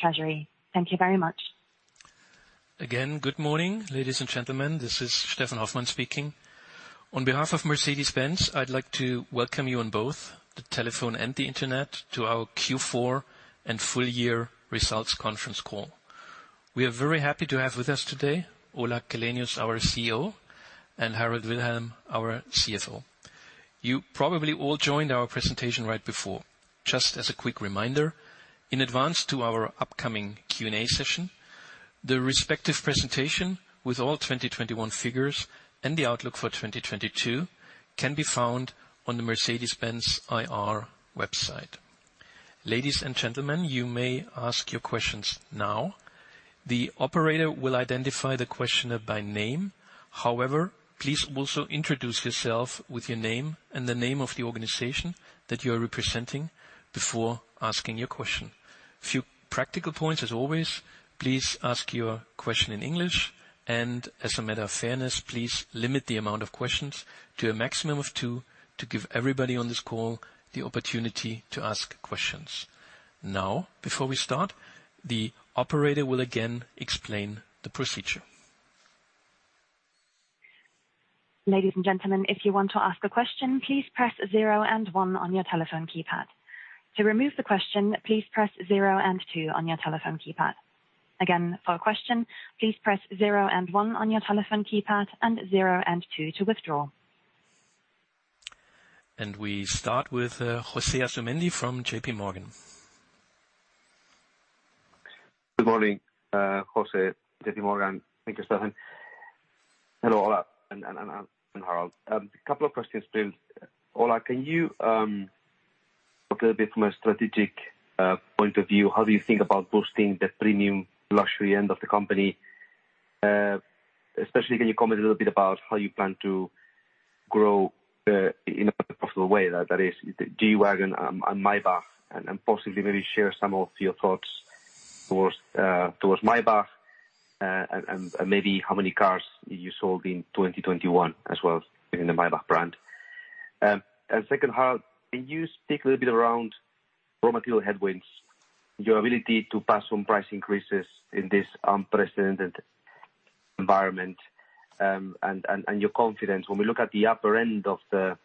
Treasury. Thank you very much. Good morning, ladies and gentlemen. This is Steffen Hoffmann speaking. On behalf of Mercedes-Benz, I'd like to Welcome you on both the Telephone and the Internet to our Q4 and Full Year Results Conference Call. We are very happy to have with us today Ola Källenius, our CEO, and Harald Wilhelm, our CFO. You probably all joined our presentation right before. Just as a quick reminder, in advance to our upcoming Q&A session, the respective presentation with all 2021 figures and the outlook for 2022 can be found on the Mercedes-Benz IR website. Ladies and gentlemen, you may ask your questions now. The operator will identify the questioner by name. However, please also introduce yourself with your name and the name of the organization that you are representing before asking your question. A few practical points. As always, please ask your question in English, and as a matter of fairness, please limit the amount of questions to a maximum of two to give everybody on this call the opportunity to ask questions. Now, before we start, the operator will again explain the procedure. Ladies and gentlemen, if you want to ask a question, please press zero and one on your telephone keypad. To remove the question, please press zero and two on your telephone keypad. Again, for a question, please press zero and one on your telephone keypad and zero and two to withdraw. We start with Jose Asumendi from JPMorgan. Good morning, Jose, JPMorgan. Thank you, Steffen. Hello, Ola and Harald. A couple of questions. Ola, can you talk a little bit from a strategic point of view, how do you think about boosting the premium luxury end of the company? Especially can you comment a little bit about how you plan to grow in a possible way that is G-Class and Maybach and possibly maybe share some of your thoughts towards Maybach and maybe how many cars you sold in 2021 as well in the Maybach brand. Second, Harald, can you speak a little bit around raw material headwinds, your ability to pass on price increases in this unprecedented environment, and your confidence when we look at the upper end of the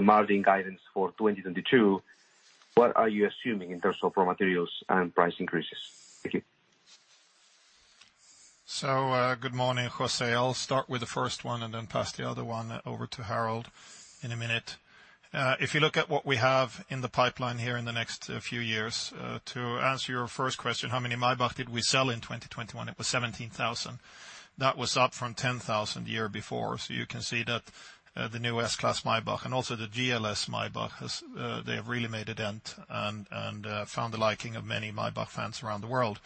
margin guidance for 2022, what are you assuming in terms of raw materials and price increases? Thank you. Good morning, Jose. I'll start with the first one and then pass the other one over to Harald in a minute. If you look at what we have in the pipeline here in the next few years, to answer your first question, how many Maybach did we sell in 2021? It was 17,000. That was up from 10,000 the year before. You can see that the new S-Class Maybach and also the GLS Maybach they have really made a dent and found the liking of many Maybach fans around the world.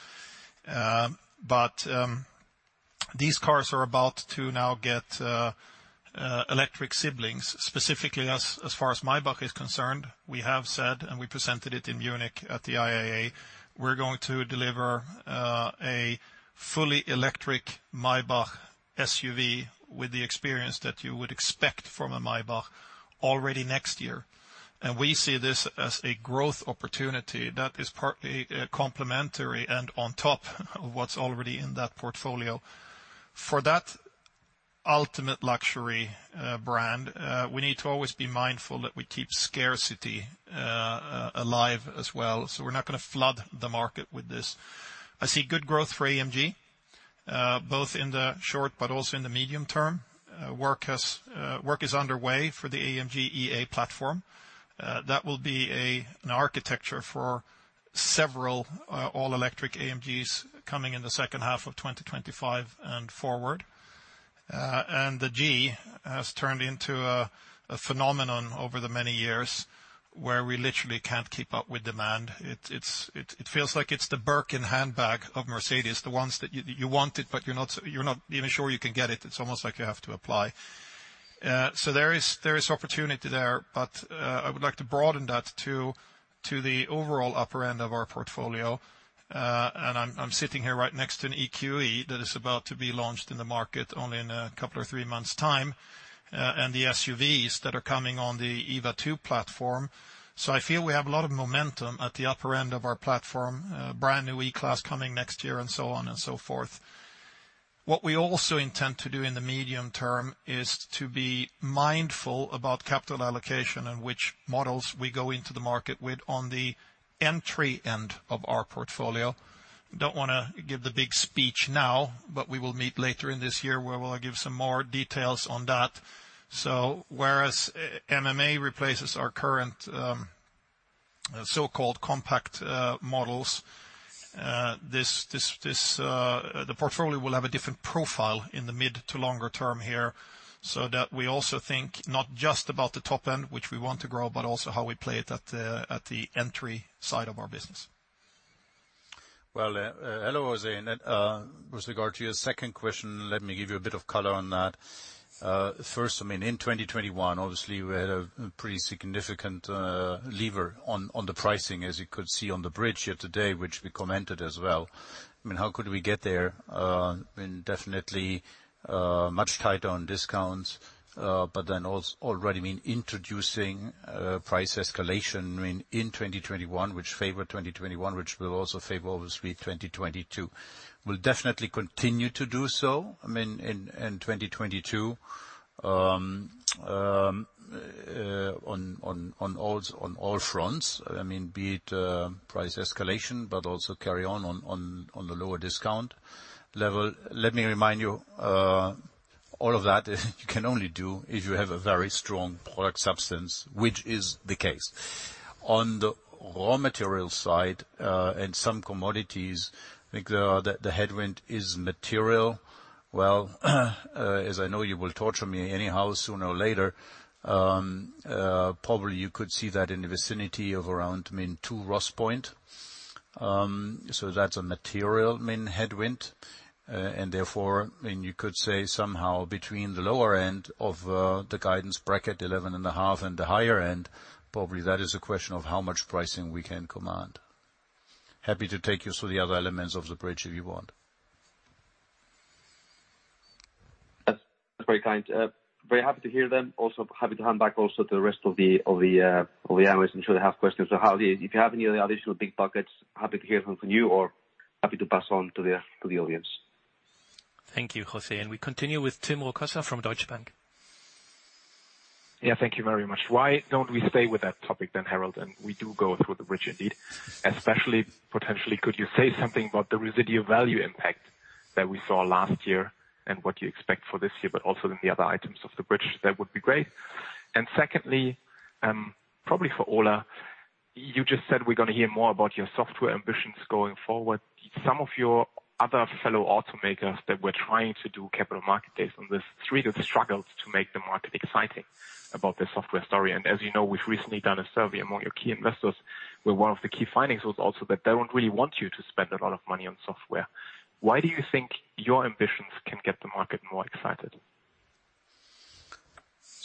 These cars are about to now get electric siblings. Specifically, as far as Maybach is concerned, we have said, and we presented it in Munich at the IAA, we're going to deliver a fully electric Maybach SUV with the experience that you would expect from a Maybach already next year. We see this as a growth opportunity that is partly complementary and on top of what's already in that portfolio. For that ultimate luxury brand, we need to always be mindful that we keep scarcity alive as well, so we're not gonna flood the market with this. I see good growth for AMG both in the short but also in the medium term. Work is underway for the AMG EA platform. That will be an architecture for several all electric AMGs coming in the second half of 2025 and forward. The G has turned into a phenomenon over the many years where we literally can't keep up with demand. It feels like it's the Birkin handbag of Mercedes, the ones that you want it, but you're not even sure you can get it. It's almost like you have to apply. There is opportunity there, but I would like to broaden that to the overall upper end of our portfolio. I'm sitting here right next to an EQE that is about to be launched in the market only in a couple or three months' time, and the SUVs that are coming on the EVA2 platform. I feel we have a lot of momentum at the upper end of our platform, a brand-new E-Class coming next year and so on and so forth. What we also intend to do in the medium term is to be mindful about capital allocation and which models we go into the market with on the entry end of our portfolio. Don't wanna give the big speech now, but we will meet later in this year where we'll give some more details on that. Whereas MMA replaces our current, so-called compact models, the portfolio will have a different profile in the mid to longer term here, so that we also think not just about the top end, which we want to grow, but also how we play it at the entry side of our business. Well, hello, José. With regard to your second question, let me give you a bit of color on that. First, I mean, in 2021, obviously, we had a pretty significant lever on the pricing, as you could see on the bridge here today, which we commented as well. I mean, how could we get there? I mean, definitely, much tighter on discounts, but then already meaning introducing price escalation meaning in 2021, which favor 2021, which will also favor obviously 2022. We'll definitely continue to do so, I mean, in 2022 on all fronts. I mean, be it price escalation, but also carry on the lower discount level. Let me remind you, all of that you can only do if you have a very strong product substance, which is the case. On the raw material side and some commodities, like the headwind is material. Well, as I know you will torture me anyhow sooner or later, probably you could see that in the vicinity of around, I mean, 2 ROS points. So that's a material main headwind. I mean, you could say somehow between the lower end of the guidance bracket, 11.5, and the higher end, probably that is a question of how much pricing we can command. Happy to take you through the other elements of the bridge if you want. That's very kind. Very happy to hear them. Also happy to hand back also to the rest of the analysts. I'm sure they have questions. If you have any other additional big buckets, happy to hear from you or happy to pass on to the audience. Thank you, Jose. We continue with Tim Rokossa from Deutsche Bank. Yeah, thank you very much. Why don't we stay with that topic, Harald? We do go through the bridge indeed, especially potentially could you say something about the residual value impact that we saw last year and what you expect for this year, but also in the other items of the bridge, that would be great. Secondly, probably for Ola, you just said we're gonna hear more about your software ambitions going forward. Some of your other fellow automakers that were trying to do capital market days on this really struggled to make the market excited about their software story. As you know, we've recently done a survey among your key investors, where one of the key findings was also that they don't really want you to spend a lot of money on software. Why do you think your ambitions can get the market more excited?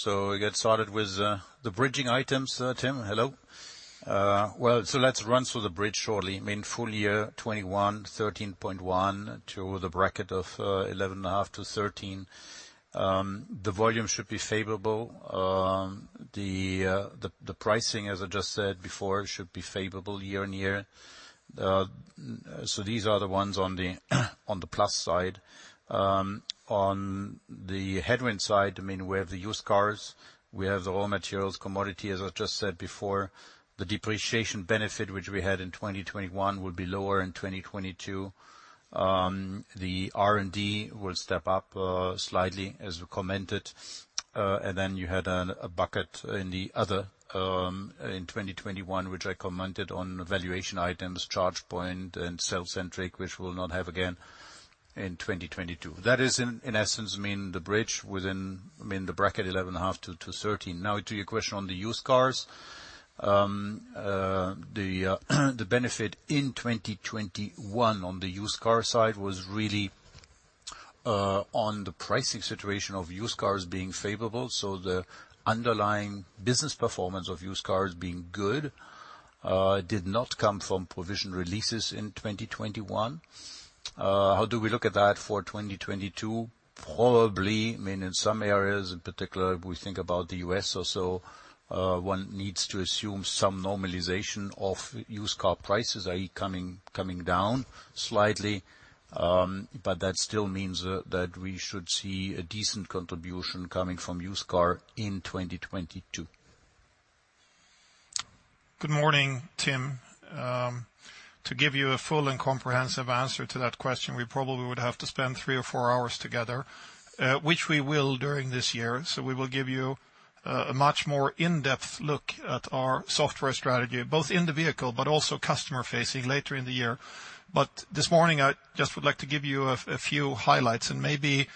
We get started with the bridging items, Tim. Hello. Let's run through the bridge shortly. I mean, full year 2021, 13.1 to the bracket of 11.5-13. The volume should be favorable. The pricing, as I just said before, should be favorable year-over-year. These are the ones on the plus side. On the headwind side, I mean, we have the used cars, we have the raw materials, commodity, as I just said before. The depreciation benefit which we had in 2021 will be lower in 2022. The R&D will step up slightly as we commented. You had a bucket in 2021, which I commented on valuation items, ChargePoint and Cellcentric, which we will not have again in 2022. That is, in essence, I mean, the bridge within, I mean, the bracket 11.5-13. Now to your question on the used cars. The benefit in 2021 on the used car side was really on the pricing situation of used cars being favorable. The underlying business performance of used cars being good did not come from provision releases in 2021. How do we look at that for 2022? Probably, I mean, in some areas in particular, if we think about the U.S. or so, one needs to assume some normalization of used car prices, i.e., coming down slightly. That still means that we should see a decent contribution coming from used car in 2022. Good morning, Tim. To give you a full and comprehensive answer to that question, we probably would have to spend three or four hours together, which we will during this year. We will give you a much more in-depth look at our software strategy, both in the vehicle but also customer-facing later in the year. This morning, I just would like to give you a few highlights and maybe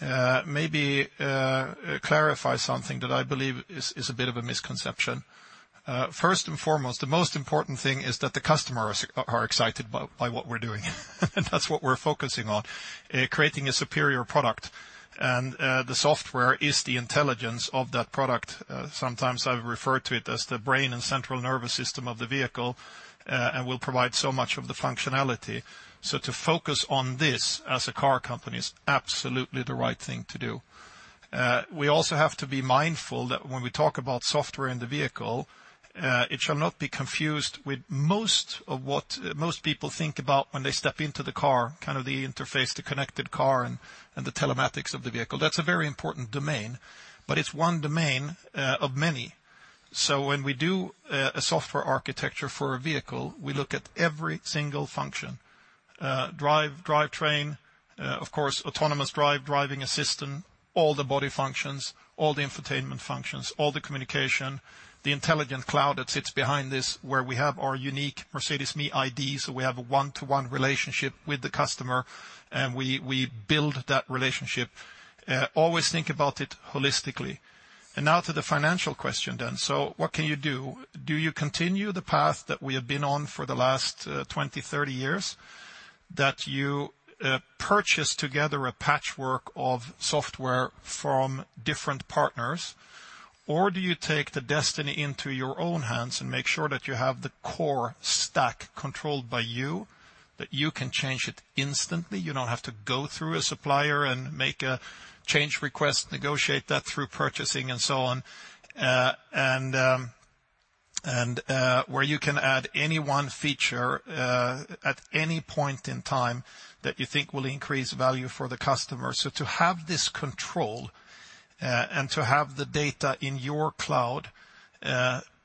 clarify something that I believe is a bit of a misconception. First and foremost, the most important thing is that the customers are excited by what we're doing. That's what we're focusing on, creating a superior product. The software is the intelligence of that product. Sometimes I refer to it as the brain and central nervous system of the vehicle, and will provide so much of the functionality. To focus on this as a car company is absolutely the right thing to do. We also have to be mindful that when we talk about software in the vehicle, it shall not be confused with most of what most people think about when they step into the car, kind of the interface to connected car and the telematics of the vehicle. That's a very important domain, but it's one domain of many. When we do a software architecture for a vehicle, we look at every single function. Drivetrain, of course, autonomous drive, driving assistant, all the body functions, all the infotainment functions, all the communication, the intelligent cloud that sits behind this, where we have our unique Mercedes me ID, so we have a one-to-one relationship with the customer, and we build that relationship. Always think about it holistically. Now to the financial question then. What can you do? Do you continue the path that we have been on for the last 20, 30 years, that you purchase together a patchwork of software from different partners? Or do you take the destiny into your own hands and make sure that you have the core stack controlled by you, that you can change it instantly, you don't have to go through a supplier and make a change request, negotiate that through purchasing, and so on. Where you can add any one feature at any point in time that you think will increase value for the customer. To have this control, and to have the data in your cloud,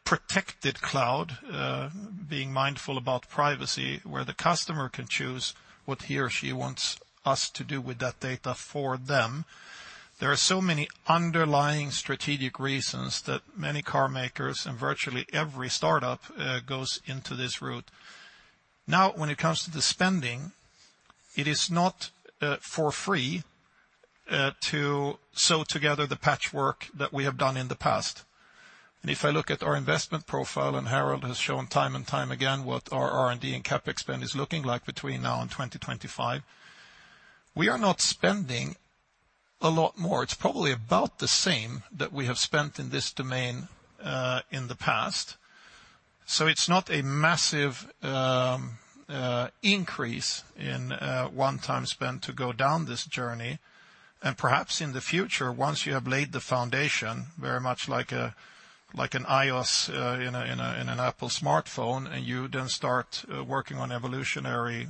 protected cloud, being mindful about privacy, where the customer can choose what he or she wants us to do with that data for them. There are so many underlying strategic reasons that many carmakers and virtually every startup goes into this route. Now, when it comes to the spending, it is not for free to sew together the patchwork that we have done in the past. If I look at our investment profile, and Harald has shown time and time again what our R&D and CapEx spend is looking like between now and 2025, we are not spending a lot more. It's probably about the same that we have spent in this domain in the past. It's not a massive increase in one-time spend to go down this journey. Perhaps in the future, once you have laid the foundation, very much like an iOS in an Apple smartphone, and you then start working on evolutionary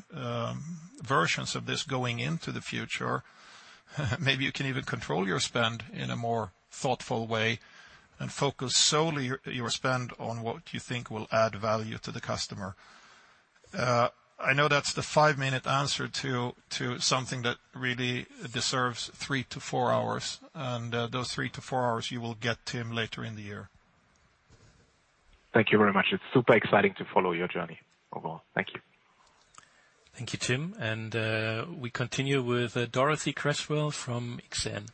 versions of this going into the future, maybe you can even control your spend in a more thoughtful way and focus solely your spend on what you think will add value to the customer. I know that's the five minute answer to something that really deserves three to four hours. Those three to four hours you will get, Tim, later in the year. Thank you very much. It's super exciting to follow your journey overall. Thank you. Thank you, Tim. We continue with Dorothee Cresswell from Exane.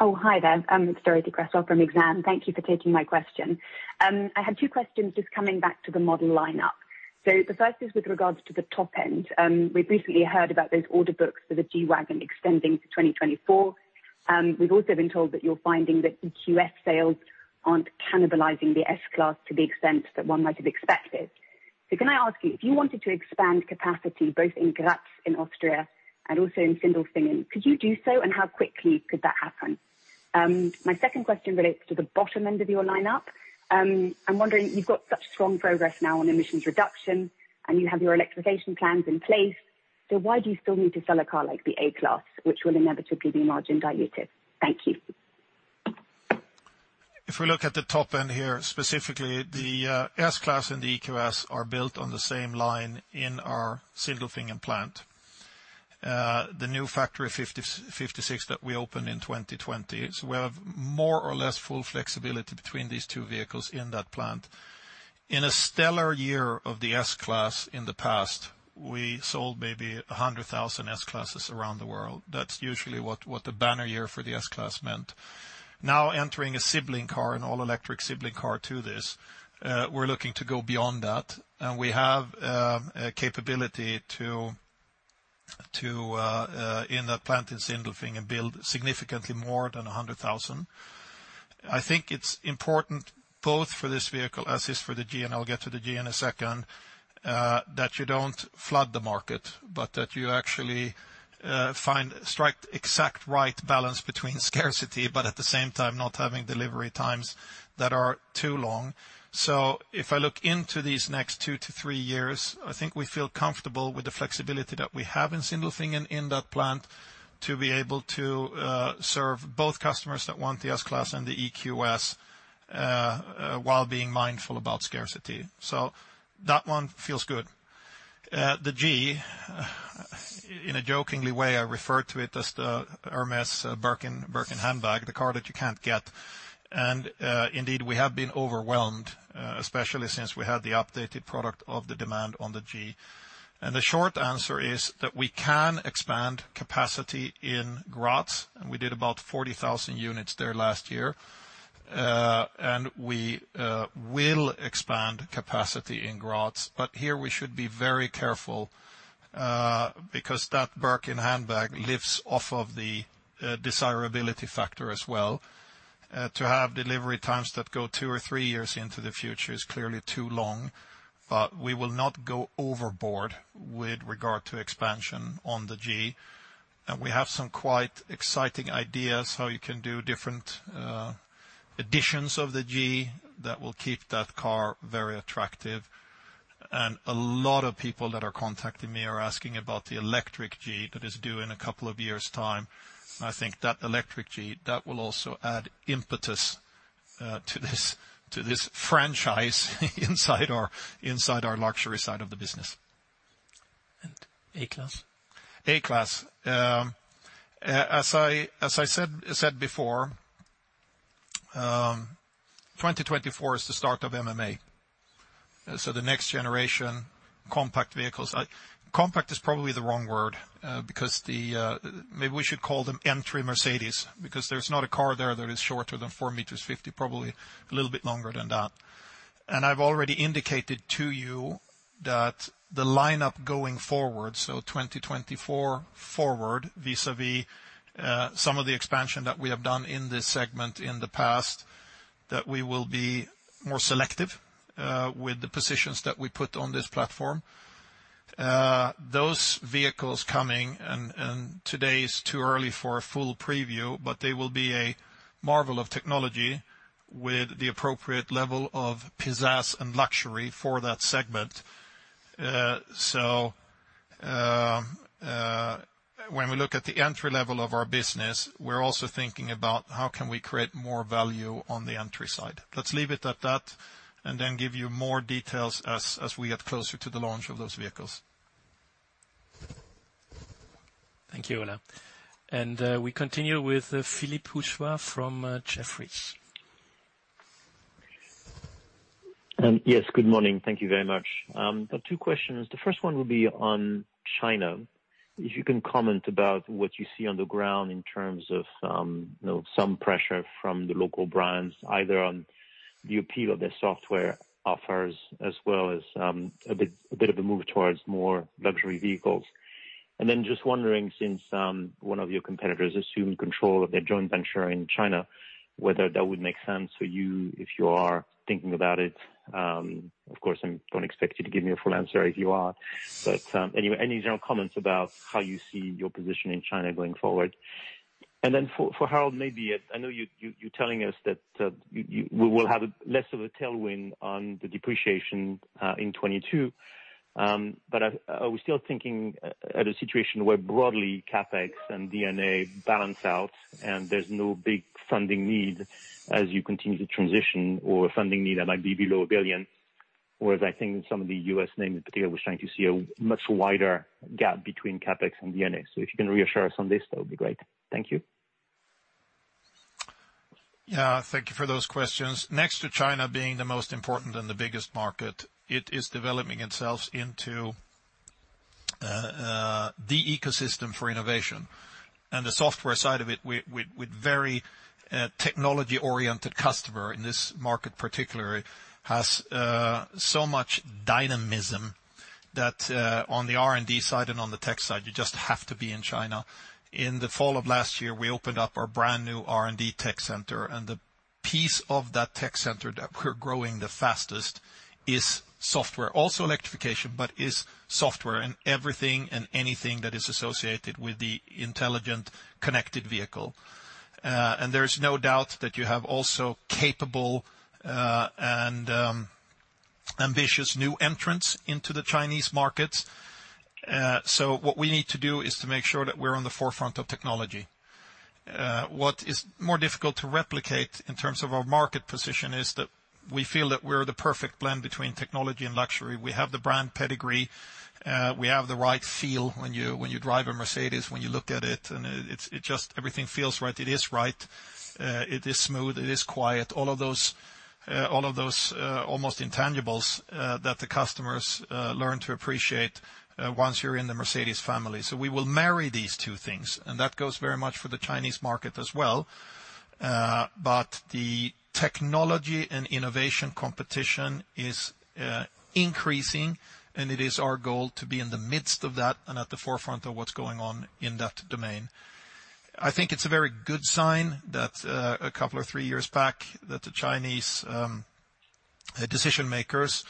Oh, hi there. I'm Dorothee Cresswell from Exane. Thank you for taking my question. I had two questions just coming back to the model lineup. The first is with regards to the top end. We recently heard about those order books for the G-Class extending to 2024. We've also been told that you're finding that EQS sales aren't cannibalizing the S-Class to the extent that one might have expected. Can I ask you, if you wanted to expand capacity, both in Graz in Austria and also in Sindelfingen, could you do so, and how quickly could that happen? My second question relates to the bottom end of your lineup. I'm wondering, you've got such strong progress now on emissions reduction, and you have your electrification plans in place, so why do you still need to sell a car like the A-Class, which will inevitably be margin dilutive? Thank you. If we look at the top end here, specifically, the S-Class and the EQS are built on the same line in our Sindelfingen plant, the new Factory 56 that we opened in 2020. We have more or less full flexibility between these two vehicles in that plant. In a stellar year of the S-Class in the past, we sold maybe 100,000 S-Classes around the world. That's usually what the banner year for the S-Class meant. Now entering a sibling car, an all-electric sibling car to this, we're looking to go beyond that. We have a capability to in that plant in Sindelfingen build significantly more than 100,000. I think it's important both for this vehicle, as it is for the G, and I'll get to the G in a second, that you don't flood the market, but that you actually strike the exact right balance between scarcity, but at the same time, not having delivery times that are too long. If I look into these next two to three years, I think we feel comfortable with the flexibility that we have in Sindelfingen in that plant to be able to serve both customers that want the S-Class and the EQS, while being mindful about scarcity. That one feels good. The G, in a joking way, I refer to it as the Hermès Birkin handbag, the car that you can't get. Indeed, we have been overwhelmed, especially since we had the updated product and the demand on the G. The short answer is that we can expand capacity in Graz, and we did about 40,000 units there last year. We will expand capacity in Graz. But here we should be very careful, because that Birkin handbag lives off of the desirability factor as well. To have delivery times that go two or three years into the future is clearly too long, but we will not go overboard with regard to expansion on the G. We have some quite exciting ideas how you can do different editions of the G that will keep that car very attractive. A lot of people that are contacting me are asking about the electric G that is due in a couple of years' time. I think that electric G, that will also add impetus to this franchise inside our luxury side of the business. A-Class? A-Class. As I said before, 2024 is the start of MMA. The next generation compact vehicles. Compact is probably the wrong word because maybe we should call them entry Mercedes, because there's not a car there that is shorter than 4.50 meters, probably a little bit longer than that. I've already indicated to you that the lineup going forward, so 2024 forward, vis-à-vis some of the expansion that we have done in this segment in the past, that we will be more selective with the positions that we put on this platform. Those vehicles coming and today is too early for a full preview, but they will be a marvel of technology with the appropriate level of pizzazz and luxury for that segment. When we look at the entry level of our business, we're also thinking about how can we create more value on the entry side. Let's leave it at that, and then give you more details as we get closer to the launch of those vehicles. Thank you, Ola. We continue with Philippe Houchois from Jefferies. Yes, good morning. Thank you very much. Got two questions. The first one will be on China. If you can comment about what you see on the ground in terms of, you know, some pressure from the local brands, either on the appeal of their software offers, as well as, a bit of a move towards more luxury vehicles. Then just wondering, since, one of your competitors assumed control of their joint venture in China, whether that would make sense for you if you are thinking about it. Of course, I don't expect you to give me a full answer if you are. Any general comments about how you see your position in China going forward? Then for Harald, maybe I know you're telling us that we will have less of a tailwind on the depreciation in 2022. Are we still thinking at a situation where broadly CapEx and D&A balance out and there's no big funding need as you continue to transition or funding need that might be below 1 billion? Whereas I think some of the U.S. names in particular, we're starting to see a much wider gap between CapEx and D&A. If you can reassure us on this, that would be great. Thank you. Yeah, thank you for those questions. Next to China being the most important and the biggest market, it is developing itself into the ecosystem for innovation. The software side of it, with very technology-oriented customer in this market particularly, has so much dynamism that on the R&D side and on the tech side, you just have to be in China. In the fall of last year, we opened up our brand new R&D tech center, and the piece of that tech center that we're growing the fastest is software. Also electrification, but is software and everything and anything that is associated with the intelligent connected vehicle. There is no doubt that you have also capable and ambitious new entrants into the Chinese market. What we need to do is to make sure that we're on the forefront of technology. What is more difficult to replicate in terms of our market position is that we feel that we're the perfect blend between technology and luxury. We have the brand pedigree, we have the right feel when you drive a Mercedes, when you look at it, and it just everything feels right. It is right. It is smooth, it is quiet. All of those almost intangibles that the customers learn to appreciate once you're in the Mercedes family. We will marry these two things, and that goes very much for the Chinese market as well. The technology and innovation competition is increasing, and it is our goal to be in the midst of that and at the forefront of what's going on in that domain. I think it's a very good sign that a couple or three years back, that the Chinese decision-makers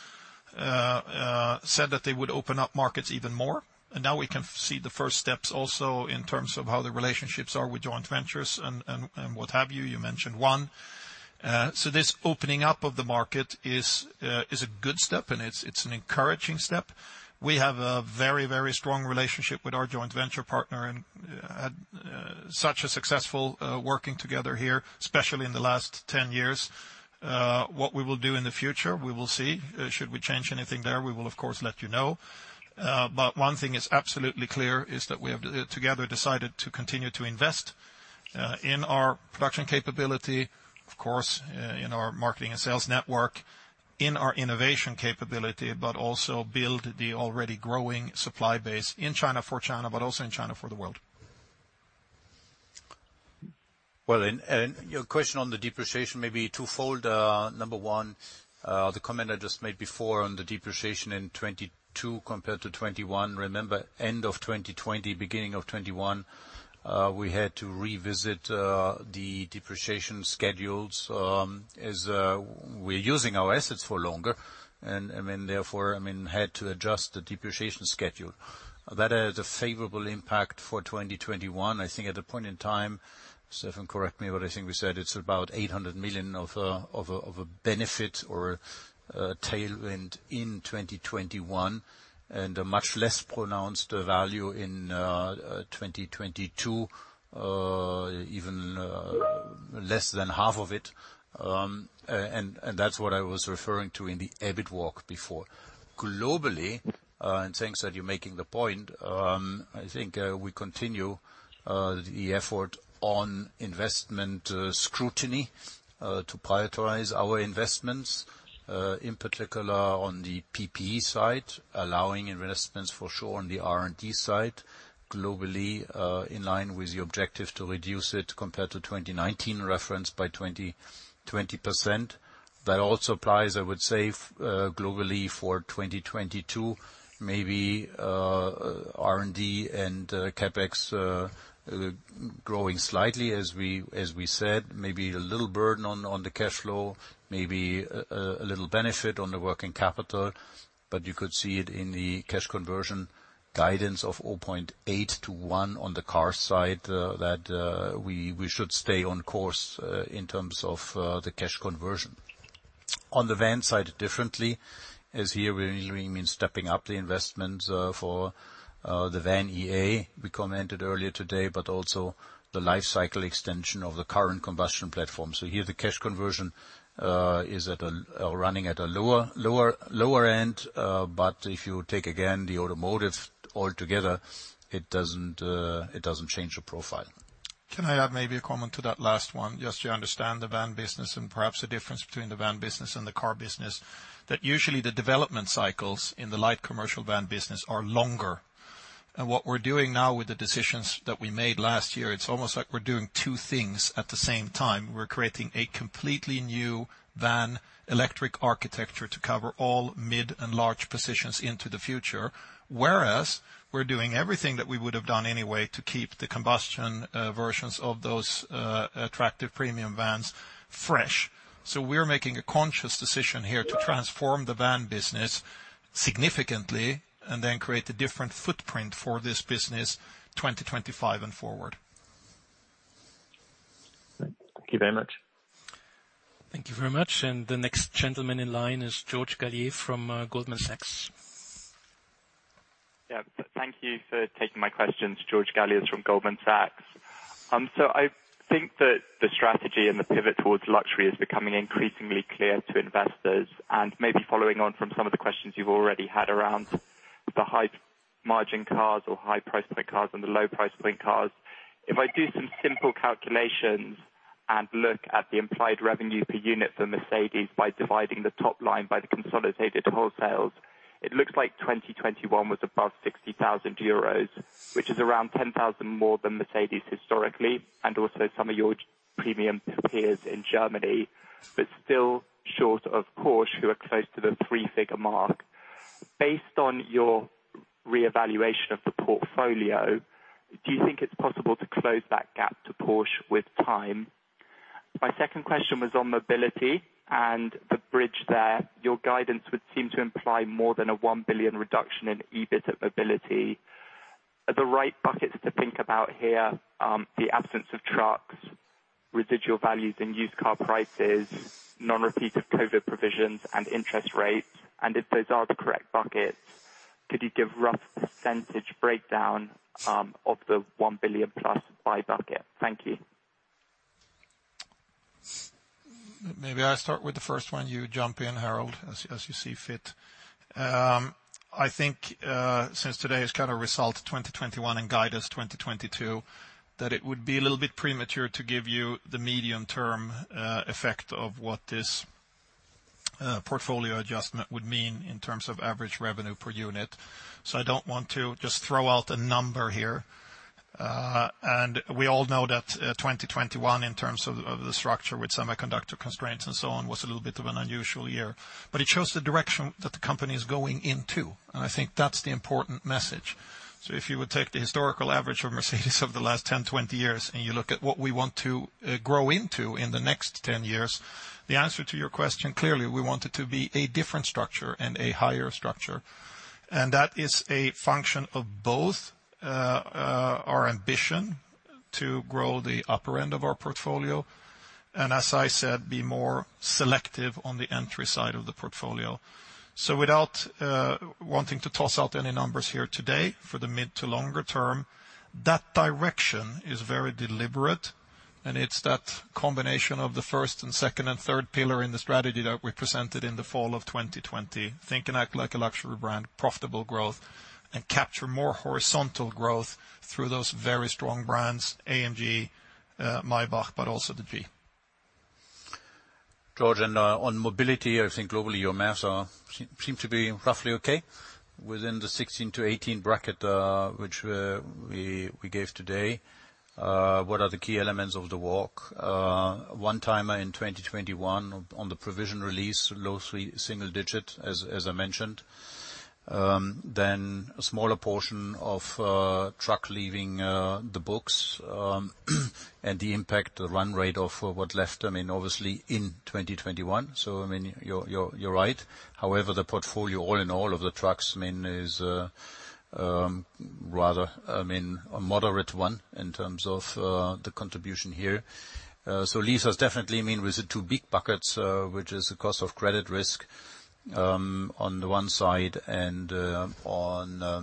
said that they would open up markets even more. Now we can see the first steps also in terms of how the relationships are with joint ventures and what have you. You mentioned one. This opening up of the market is a good step, and it's an encouraging step. We have a very strong relationship with our joint venture partner and such a successful working together here, especially in the last 10 years. What we will do in the future, we will see. Should we change anything there, we will, of course, let you know. One thing is absolutely clear that we have together decided to continue to invest in our production capability, of course, in our marketing and sales network, in our innovation capability, but also build the already growing supply base in China for China, but also in China for the world. Your question on the depreciation may be twofold. Number one, the comment I just made before on the depreciation in 2022 compared to 2021, remember, end of 2020, beginning of 2021, we had to revisit the depreciation schedules, as we're using our assets for longer, and I mean, therefore, had to adjust the depreciation schedule. That has a favorable impact for 2021. I think at a point in time, Stephan, correct me, but I think we said it's about 800 million of a benefit or a tailwind in 2021, and a much less pronounced value in 2022, even less than half of it. That's what I was referring to in the EBIT walk before. Globally, thanks that you're making the point. I think we continue the effort on investment scrutiny to prioritize our investments, in particular on the PPE side, allowing investments for sure on the R&D side, globally, in line with the objective to reduce it compared to 2019 reference by 20%. That also applies, I would say, globally for 2022, maybe R&D and CapEx growing slightly as we said, maybe a little burden on the cash flow, maybe a little benefit on the working capital. But you could see it in the cash conversion guidance of 0.8-1 on the car side, that we should stay on course in terms of the cash conversion. On the van side differently, as here, we mean stepping up the investments for the VAN.EA, we commented earlier today, but also the life cycle extension of the current combustion platform. Here the cash conversion is running at a lower end. If you take again the Automotive altogether, it doesn't change the profile. Can I add maybe a comment to that last one? Just to understand the van business and perhaps the difference between the van business and the car business. That usually the development cycles in the light commercial van business are longer. What we're doing now with the decisions that we made last year, it's almost like we're doing two things at the same time. We're creating a completely new van electric architecture to cover all mid and large positions into the future. Whereas we're doing everything that we would have done anyway to keep the combustion versions of those attractive premium vans fresh. We're making a conscious decision here to transform the van business significantly, and then create a different footprint for this business 2025 and forward. Thank you very much. Thank you very much. The next gentleman in line is George Galliers from Goldman Sachs. Thank you for taking my questions. George Galliers from Goldman Sachs. I think that the strategy and the pivot towards luxury is becoming increasingly clear to investors, and maybe following on from some of the questions you've already had around the high margin cars or high price point cars and the low price point cars. If I do some simple calculations and look at the implied revenue per unit for Mercedes by dividing the top line by the consolidated wholesales, it looks like 2021 was above 60,000 euros, which is around 10,000 more than Mercedes historically, and also some of your premium peers in Germany. Still short of Porsche, who are close to the three-figure mark. Based on your reevaluation of the portfolio, do you think it's possible to close that gap to Porsche with time? My second question was on mobility and the bridge there. Your guidance would seem to imply more than a 1 billion reduction in EBIT mobility. Are the right buckets to think about here the absence of trucks, residual values and used car prices, non-repeat of COVID provisions and interest rates? If those are the correct buckets, could you give rough percentage breakdown of the 1 billion-plus by bucket? Thank you. Maybe I start with the first one. You jump in, Harald, as you see fit. I think, since today is kind of result 2021 and guidance 2022, that it would be a little bit premature to give you the medium-term effect of what this portfolio adjustment would mean in terms of average revenue per unit. I don't want to just throw out a number here. We all know that, 2021, in terms of the structure with semiconductor constraints and so on, was a little bit of an unusual year. It shows the direction that the company is going into, and I think that's the important message. If you would take the historical average of Mercedes over the last 10-20 years, and you look at what we want to grow into in the next 10 years, the answer to your question, clearly, we want it to be a different structure and a higher structure. That is a function of both our ambition to grow the upper end of our portfolio, and as I said, be more selective on the entry side of the portfolio. Without wanting to toss out any numbers here today for the mid to longer term, that direction is very deliberate, and it's that combination of the first and second and third pillar in the strategy that we presented in the fall of 2020. Think and act like a luxury brand, profitable growth, and capture more horizontal growth through those very strong brands, AMG, Maybach, but also the G. George, on mobility, I think globally your math seems to be roughly okay, within the 16%-18% bracket, which we gave today. What are the key elements of the walk? One-timer in 2021 on the provision release, low single-digit, as I mentioned. Then a smaller portion of truck leaving the books, and the impact, the run rate of what left, I mean, obviously in 2021. I mean, you're right. However, the portfolio all in all of the trucks, I mean, is rather a moderate one in terms of the contribution here. Lease has definitely, I mean, with the two big buckets, which is the cost of credit risk, on the one side and the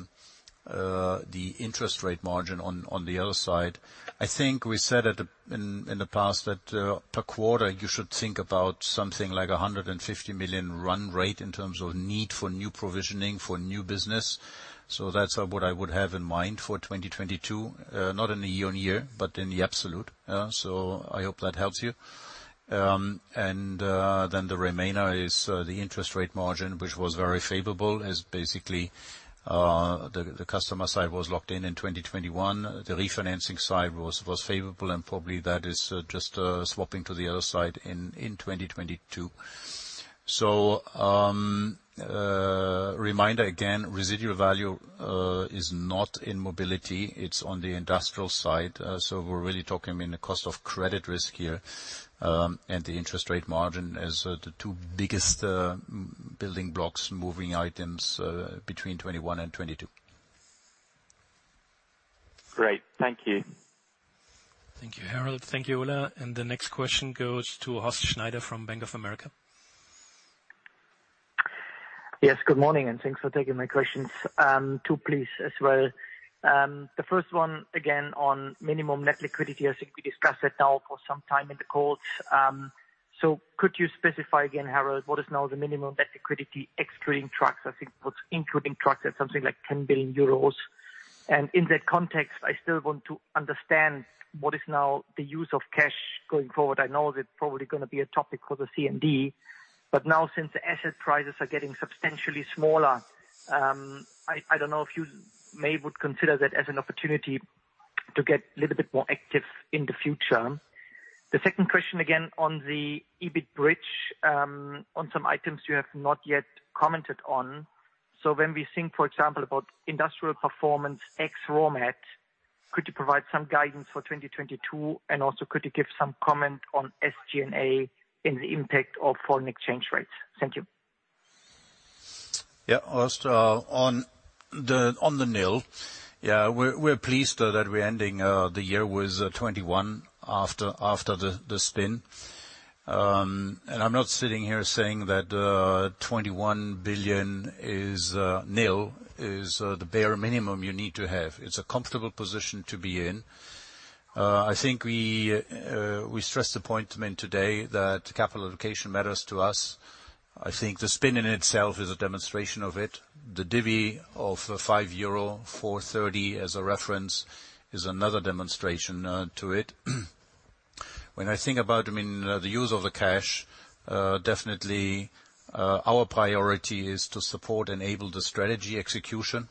interest rate margin on the other side. I think we said in the past that, per quarter, you should think about something like 150 million run rate in terms of need for new provisioning for new business. That's what I would have in mind for 2022, not in the year-over-year, but in the absolute. I hope that helps you. Then the remainder is the interest rate margin, which was very favorable, as basically the customer side was locked in in 2021. The refinancing side was favorable, and probably that is just swapping to the other side in 2022. Reminder again, residual value is not in mobility, it's on the industrial side. We're really talking, I mean, the cost of credit risk here, and the interest rate margin as the two biggest building blocks, moving items, between 2021 and 2022. Great. Thank you. Thank you, Harald. Thank you, Ola. The next question goes to Horst Schneider from Bank of America. Yes, good morning, and thanks for taking my questions. Two please as well. The first one again on minimum net liquidity. I think we discussed that now for some time in the calls. Could you specify again, Harald, what is now the minimum net liquidity excluding trucks? I think it was including trucks, that's something like 10 billion euros. In that context, I still want to understand what is now the use of cash going forward. I know that's probably gonna be a topic for the CMD, but now since the asset prices are getting substantially smaller, I don't know if you may would consider that as an opportunity to get a little bit more active in the future. The second question again on the EBIT bridge, on some items you have not yet commented on. When we think, for example, about industrial performance ex raw mat, could you provide some guidance for 2022? Also, could you give some comment on SG&A and the impact of foreign exchange rates? Thank you. Horst, on the NIL, we're pleased that we're ending the year with 21 after the spin. I'm not sitting here saying that 21 billion is NIL, the bare minimum you need to have. It's a comfortable position to be in. I think we stressed the point, I mean, today that capital allocation matters to us. I think the spin in itself is a demonstration of it. The dividend of 5.40 euro as a reference is another demonstration to it. When I think about, I mean, the use of the cash, definitely our priority is to support, enable the strategy execution,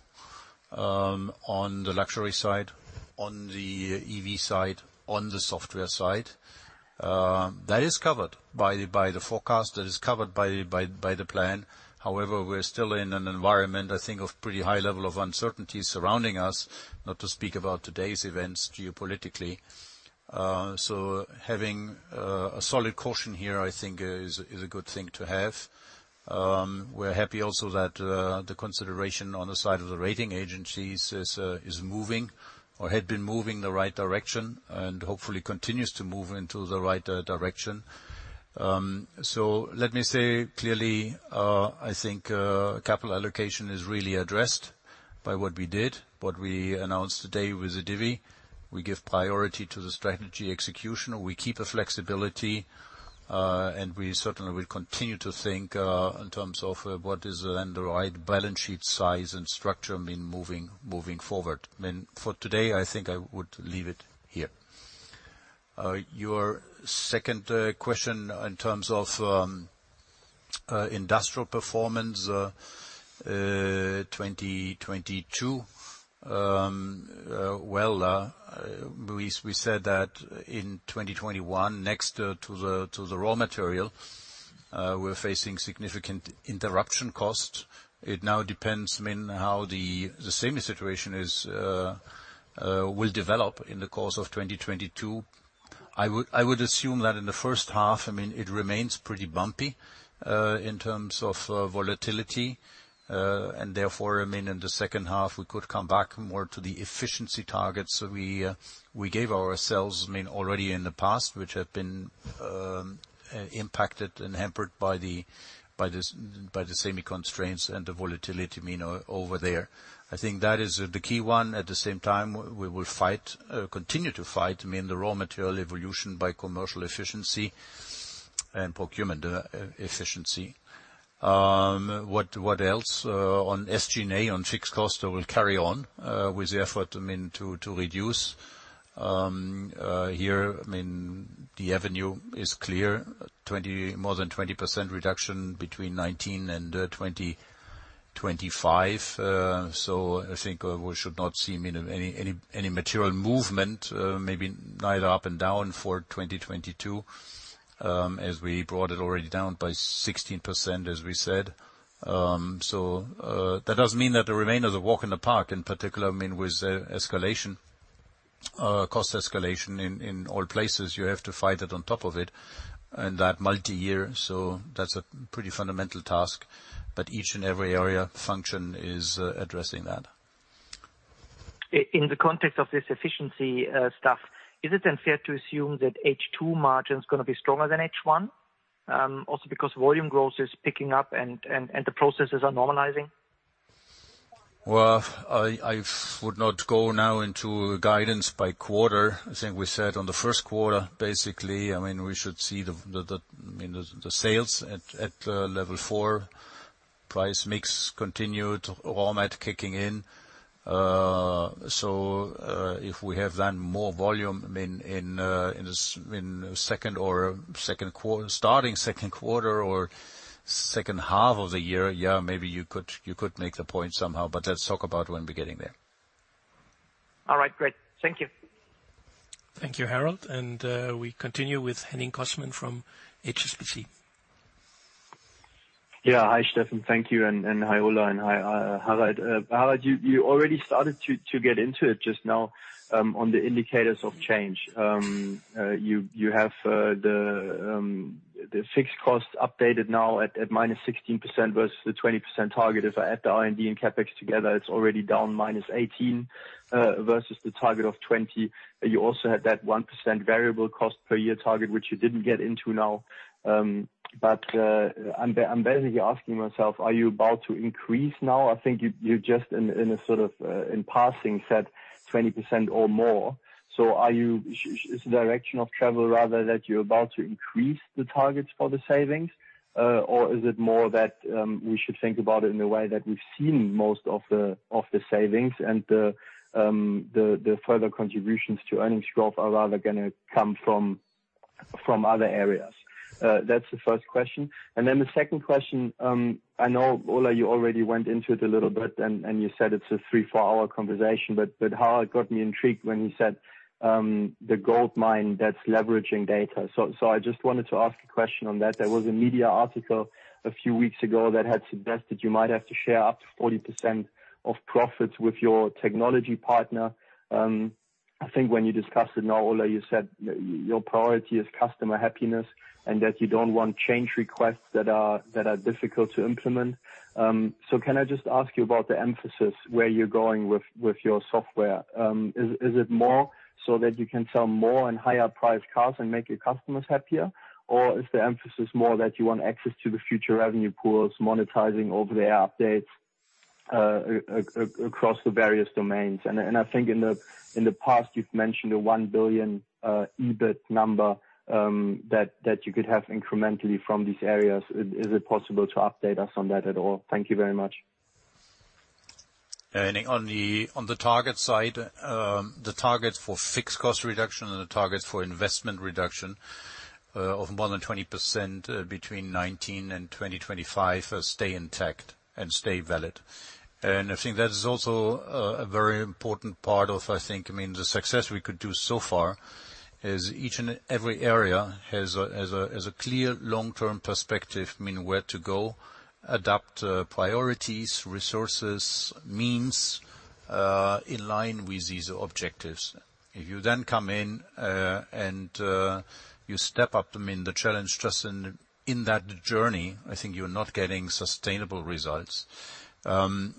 on the luxury side, on the EV side, on the software side. That is covered by the forecast. That is covered by the plan. However, we're still in an environment, I think, of pretty high level of uncertainty surrounding us, not to speak about today's events geopolitically. Having a solid caution here, I think, is a good thing to have. We're happy also that the consideration on the side of the rating agencies is moving or had been moving in the right direction and hopefully continues to move into the right direction. Let me say clearly, I think, capital allocation is really addressed by what we did, what we announced today with the divvy. We give priority to the strategy execution, or we keep a flexibility, and we certainly will continue to think in terms of what is then the right balance sheet size and structure, I mean, moving forward. I mean, for today, I think I would leave it here. Your second question in terms of industrial performance, 2022. Well, we said that in 2021, next to the raw material, we're facing significant interruption costs. It now depends, I mean, how the same situation will develop in the course of 2022. I would assume that in the first half, I mean, it remains pretty bumpy in terms of volatility, and therefore, I mean, in the second half, we could come back more to the efficiency targets we gave ourselves, I mean, already in the past, which have been impacted and hampered by the same constraints and the volatility, I mean, over there. I think that is the key one. At the same time, we will continue to fight, I mean, the raw material evolution by commercial efficiency and procurement efficiency. What else? On SG&A, on fixed cost, we will carry on with the effort, I mean, to reduce. Here, I mean, the avenue is clear, more than 20% reduction between 2019 and 2025. I think we should not see any material movement, maybe neither up and down for 2022, as we brought it already down by 16%, as we said. That doesn't mean that the remainder is a walk in the park, in particular, I mean, with the escalation, cost escalation in all places. You have to fight it on top of it in that multi-year. That's a pretty fundamental task, but each and every area function is addressing that. In the context of this efficiency stuff, is it then fair to assume that H2 margin is gonna be stronger than H1? Also because volume growth is picking up and the processes are normalizing. Well, I would not go now into guidance by quarter. I think we said on the first quarter, basically, I mean, we should see the sales at level four. Price mix continued, raw mat kicking in. If we have then more volume, I mean, in the second quarter, starting second quarter or second half of the year, yeah, maybe you could make the point somehow, but let's talk about when we're getting there. All right, great. Thank you. Thank you, Harald. We continue with Henning Cosman from HSBC. Yeah. Hi, Stefan. Thank you. Hi, Ola and hi, Harald. Harald, you already started to get into it just now on the indicators of change. You have the fixed costs updated now at -16% versus the 20% target. If I add the R&D and CapEx together, it's already down -18% versus the target of 20. You also had that 1% variable cost per year target, which you didn't get into now. I'm basically asking myself, are you about to increase now? I think you just in a sort of in passing said 20% or more. Is the direction of travel rather that you're about to increase the targets for the savings? Is it more that we should think about it in the way that we've seen most of the savings and the further contributions to earnings growth are rather gonna come from other areas? That's the first question. Then the second question, I know Ola, you already went into it a little bit and you said it's a 3- or 4-hour conversation, but Harald got me intrigued when you said the goldmine that's leveraging data. I just wanted to ask a question on that. There was a media article a few weeks ago that had suggested you might have to share up to 40% of profits with your technology partner. I think when you discussed it now, Ola, you said your priority is customer happiness, and that you don't want change requests that are difficult to implement. So can I just ask you about the emphasis where you're going with your software? Is it more so that you can sell more and higher priced cars and make your customers happier? Or is the emphasis more that you want access to the future revenue pools, monetizing over-the-air updates across the various domains? I think in the past, you've mentioned a 1 billion EBIT number that you could have incrementally from these areas. Is it possible to update us on that at all? Thank you very much. Henning, on the target side, the target for fixed cost reduction and the target for investment reduction of more than 20% between 2019 and 2025 stay intact and stay valid. I think that is also a very important part of, I think, I mean, the success we could do so far is each and every area has a clear long-term perspective, I mean, where to go, adapt priorities, resources, means in line with these objectives. If you then come in and you step up to the challenge just in that journey, I think you're not getting sustainable results. I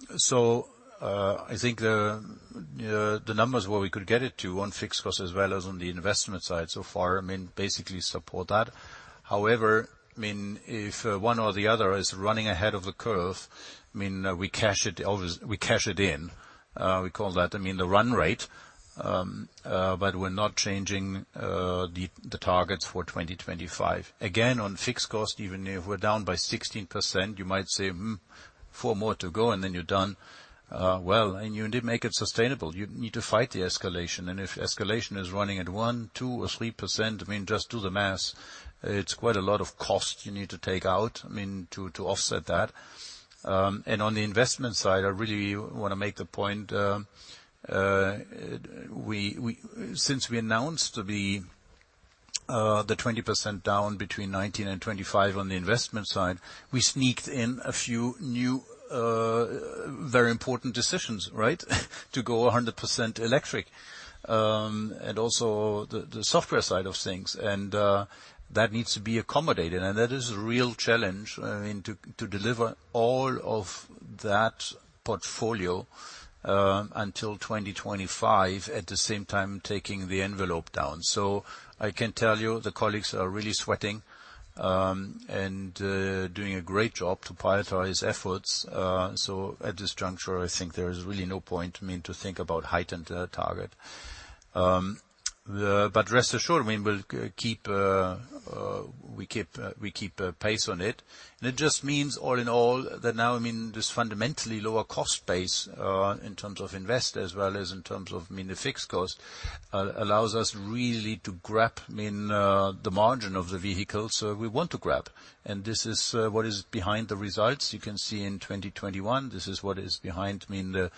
think the numbers where we could get it to on fixed costs as well as on the investment side so far, I mean, basically support that. However, I mean, if one or the other is running ahead of the curve, I mean, we cash it in. We call that, I mean, the run rate. But we're not changing the targets for 2025. Again, on fixed cost, even if we're down by 16%, you might say, "Hmm, four more to go, and then you're done." Well, you need to make it sustainable. You need to fight the escalation. If escalation is running at one, two, or 3%, I mean, just do the math. It's quite a lot of cost you need to take out, I mean, to offset that. On the investment side, I really wanna make the point. Since we announced the 20% down between 2019 and 2025 on the investment side, we sneaked in a few new very important decisions, right? To go 100% electric. Also the software side of things. That needs to be accommodated. That is a real challenge, I mean, to deliver all of that portfolio until 2025, at the same time taking the envelope down. I can tell you, the colleagues are really sweating and doing a great job to prioritize efforts. At this juncture, I think there is really no point, I mean, to think about heightened target. Rest assured, I mean, we'll keep a pace on it. It just means all in all that now, I mean, this fundamentally lower cost base in terms of investment as well as in terms of, I mean, the fixed cost allows us really to grab, I mean, the margin of the vehicles we want to grab. This is what is behind the results you can see in 2021. This is what is behind, I mean, the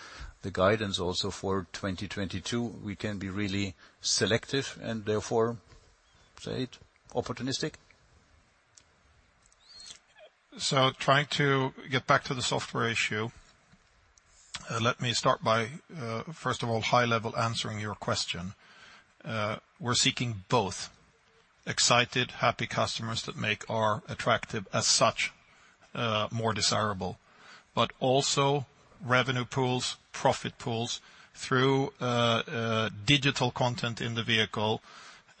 guidance also for 2022. We can be really selective and therefore, say it, opportunistic. Trying to get back to the software issue, let me start by, first of all, high level answering your question. We're seeking both excited, happy customers that make ours attractive as such, more desirable. Also revenue pools, profit pools through digital content in the vehicle,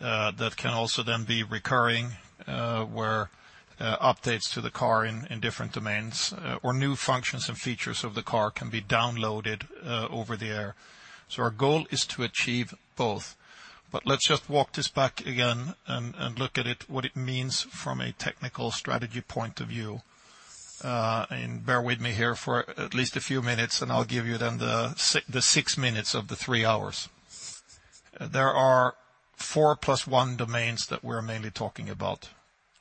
that can also then be recurring, where updates to the car in different domains or new functions and features of the car can be downloaded over the air. Our goal is to achieve both. Let's just walk this back again and look at it, what it means from a technical strategy point of view. Bear with me here for at least a few minutes, and I'll give you then the six minutes of the three hours. There are four plus one domains that we're mainly talking about.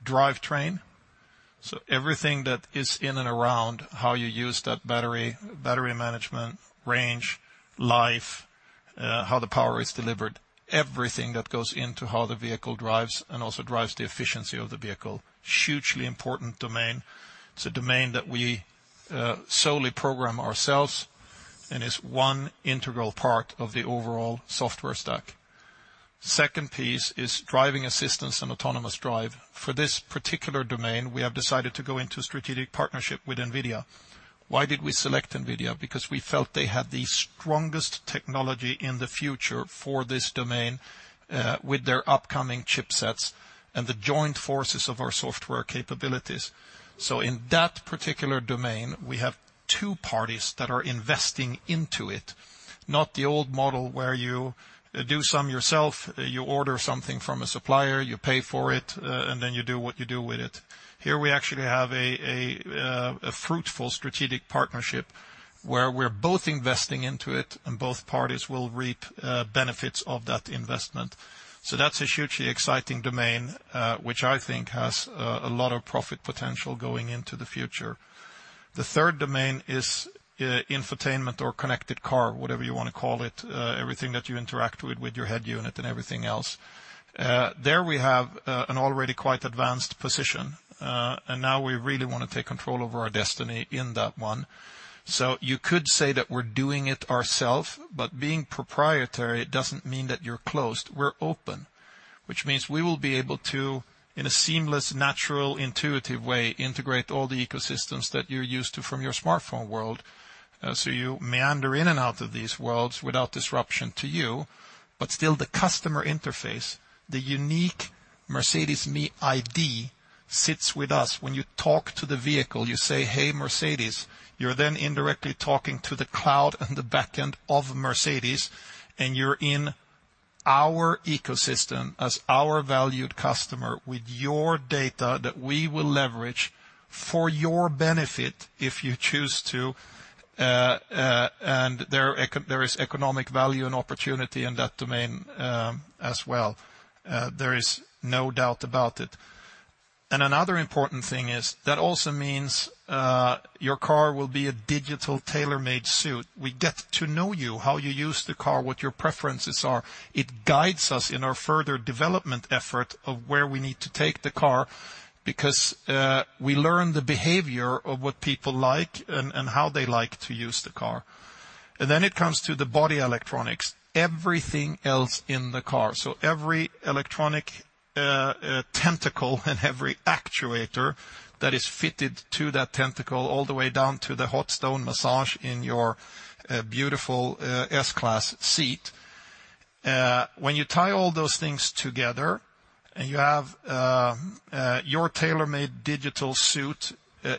Drivetrain, so everything that is in and around how you use that battery management, range, life, how the power is delivered, everything that goes into how the vehicle drives and also drives the efficiency of the vehicle. Hugely important domain. It's a domain that we solely program ourselves, and it's one integral part of the overall software stack. Second piece is driving assistance and autonomous drive. For this particular domain, we have decided to go into a strategic partnership with NVIDIA. Why did we select NVIDIA? Because we felt they had the strongest technology in the future for this domain, with their upcoming chipsets and the joint forces of our software capabilities. In that particular domain, we have two parties that are investing into it, not the old model where you do some yourself, you order something from a supplier, you pay for it, and then you do what you do with it. Here we actually have a fruitful strategic partnership where we're both investing into it and both parties will reap benefits of that investment. That's a hugely exciting domain, which I think has a lot of profit potential going into the future. The third domain is infotainment or connected car, whatever you wanna call it, everything that you interact with your head unit and everything else. There we have an already quite advanced position, and now we really wanna take control over our destiny in that one. You could say that we're doing it ourself, but being proprietary doesn't mean that you're closed. We're open, which means we will be able to, in a seamless, natural, intuitive way, integrate all the ecosystems that you're used to from your smartphone world, so you meander in and out of these worlds without disruption to you. Still the customer interface, the unique Mercedes me ID sits with us. When you talk to the vehicle, you say, "Hey, Mercedes," you're then indirectly talking to the cloud and the backend of Mercedes, and you're in our ecosystem as our valued customer with your data that we will leverage for your benefit if you choose to. There is economic value and opportunity in that domain, as well. There is no doubt about it. Another important thing is that also means your car will be a digital tailor-made suit. We get to know you, how you use the car, what your preferences are. It guides us in our further development effort of where we need to take the car because we learn the behavior of what people like and how they like to use the car. Then it comes to the body electronics, everything else in the car. Every electronic tentacle and every actuator that is fitted to that tentacle all the way down to the hot stone massage in your beautiful S-Class seat. When you tie all those things together and you have your tailor-made digital suit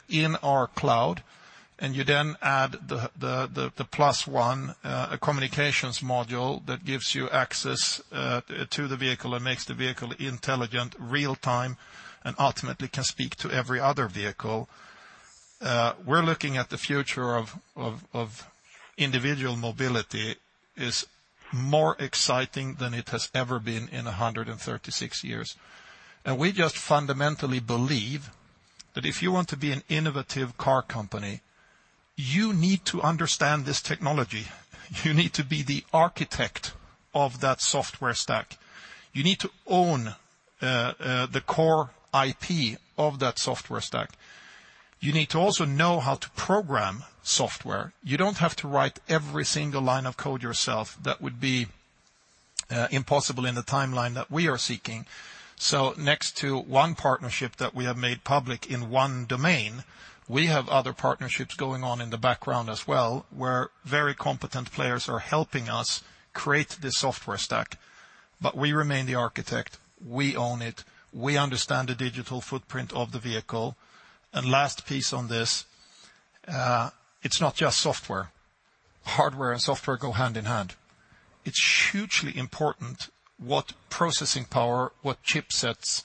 in our cloud, and you then add the plus one communications module that gives you access to the vehicle and makes the vehicle intelligent real-time and ultimately can speak to every other vehicle, we're looking at the future of individual mobility is more exciting than it has ever been in 136 years. We just fundamentally believe that if you want to be an innovative car company, you need to understand this technology. You need to be the architect of that software stack. You need to own the core IP of that software stack. You need to also know how to program software. You don't have to write every single line of code yourself. That would be impossible in the timeline that we are seeking. Next to one partnership that we have made public in one domain, we have other partnerships going on in the background as well, where very competent players are helping us create this software stack. We remain the architect. We own it. We understand the digital footprint of the vehicle. Last piece on this, it's not just software. Hardware and software go hand in hand. It's hugely important what processing power, what chipsets,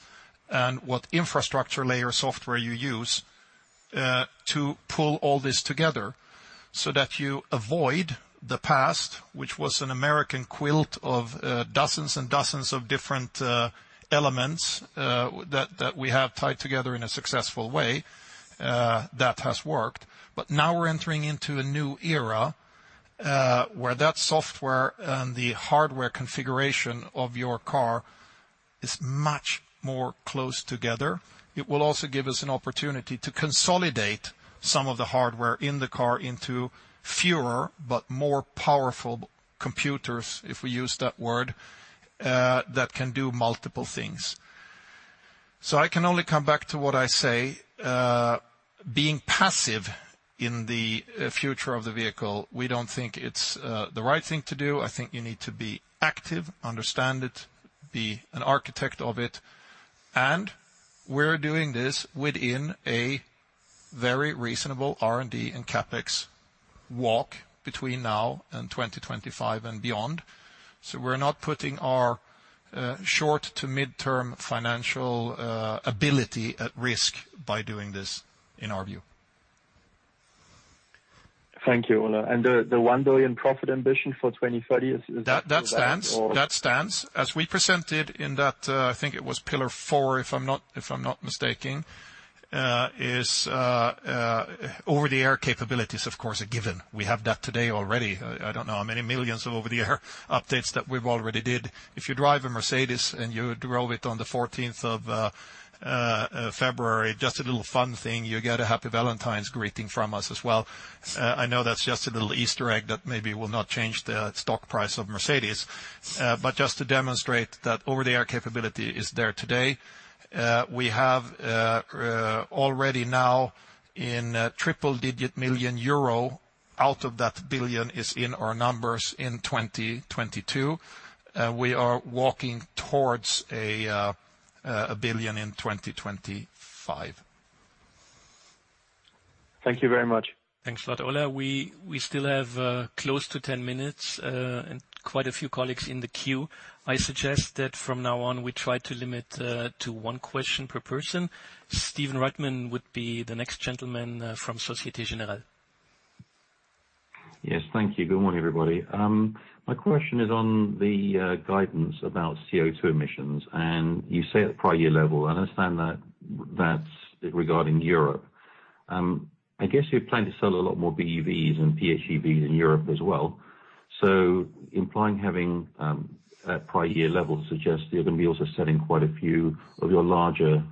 and what infrastructure layer software you use to pull all this together so that you avoid the past, which was an American quilt of dozens and dozens of different elements that we have tied together in a successful way that has worked. Now we're entering into a new era, where that software and the hardware configuration of your car is much more close together. It will also give us an opportunity to consolidate some of the hardware in the car into fewer but more powerful computers, if we use that word, that can do multiple things. I can only come back to what I say, being passive in the future of the vehicle. We don't think it's the right thing to do. I think you need to be active, understand it, be an architect of it, and we're doing this within a very reasonable R&D and CapEx walk between now and 2025 and beyond. We're not putting our short to mid-term financial ability at risk by doing this, in our view. Thank you, Ola. The 1 billion profit ambition for 2030, is that still there or- That stands. As we presented in that, I think it was pillar four, if I'm not mistaken, over-the-air capabilities, of course, are given. We have that today already. I don't know how many millions of over-the-air updates that we've already did. If you drive a Mercedes and you drove it on the fourteenth of February, just a little fun thing, you get a Happy Valentine's greeting from us as well. I know that's just a little Easter egg that maybe will not change the stock price of Mercedes. But just to demonstrate that over-the-air capability is there today. We have already now in triple-digit million EUR out of that billion EUR is in our numbers in 2022. We are walking towards 1 billion in 2025. Thank you very much. Thanks a lot, Ola. We still have close to 10 minutes and quite a few colleagues in the queue. I suggest that from now on, we try to limit to one question per person. Stephen Reitman would be the next gentleman from Société Générale. Yes. Thank you. Good morning, everybody. My question is on the guidance about CO2 emissions, and you say at the prior year level. I understand that that's regarding Europe. I guess you plan to sell a lot more BEVs and PHEVs in Europe as well. So implying having at prior year levels suggest you're gonna be also selling quite a few of your larger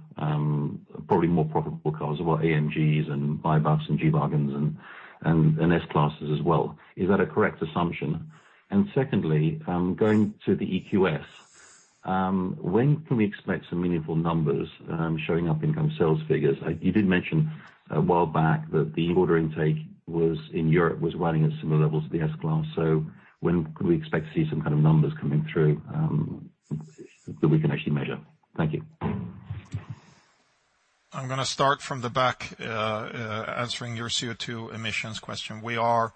probably more profitable cars. We've got AMGs and Maybachs and G-Class and S-Class as well. Is that a correct assumption? And secondly, going to the EQS, when can we expect some meaningful numbers showing up in terms of sales figures? You did mention a while back that the order intake was in Europe running at similar levels to the S-Class. When can we expect to see some kind of numbers coming through, that we can actually measure? Thank you. I'm gonna start from the back, answering your CO2 emissions question. We are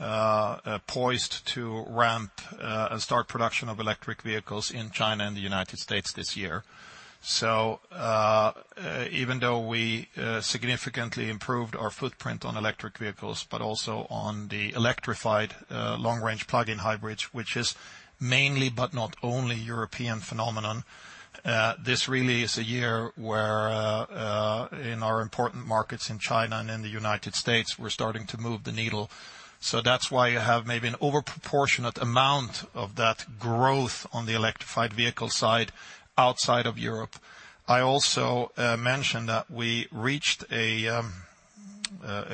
poised to ramp and start production of electric vehicles in China and the United States this year. Even though we significantly improved our footprint on electric vehicles, but also on the electrified long range plug-in hybrids, which is mainly but not only European phenomenon, this really is a year where in our important markets in China and in the United States, we're starting to move the needle. That's why you have maybe an overproportionate amount of that growth on the electrified vehicle side outside of Europe. I also mentioned that we reached a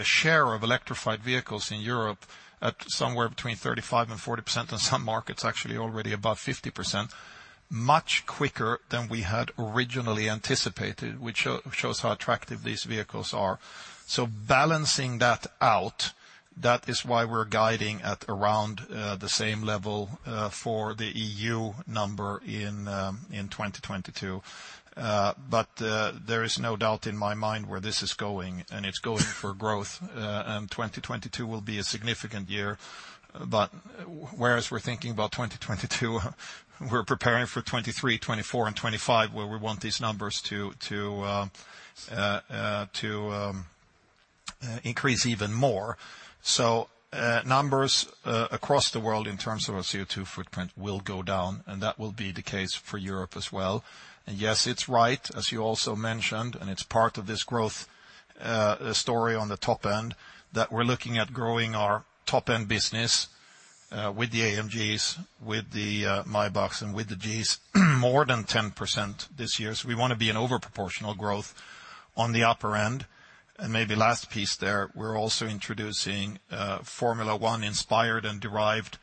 share of electrified vehicles in Europe at somewhere between 35%-40%, in some markets, actually already above 50%, much quicker than we had originally anticipated, which shows how attractive these vehicles are. Balancing that out, that is why we're guiding at around the same level for the EU number in 2022. There is no doubt in my mind where this is going, and it's going for growth. 2022 will be a significant year. Whereas we're thinking about 2022, we're preparing for 2023, 2024 and 2025, where we want these numbers to increase even more. Numbers across the world in terms of our CO2 footprint will go down, and that will be the case for Europe as well. Yes, it's right, as you also mentioned, and it's part of this growth story on the top end, that we're looking at growing our top end business with the AMGs, with the Maybachs and with the Gs more than 10% this year. We wanna be in overproportional growth on the upper end. Maybe last piece there, we're also introducing a Formula One inspired and derived